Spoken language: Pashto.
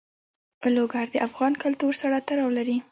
لوگر د افغان کلتور سره تړاو لري.